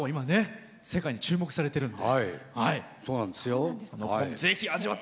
世界に注目されてるんで。